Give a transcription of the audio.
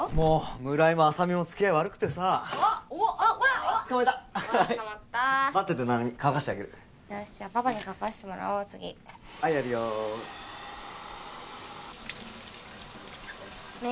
村井も浅見も付き合い悪くてさあッコラッ捕まえた待ってて七海乾かしてあげるじゃあパパに乾かしてもらおう次はいやるよねえ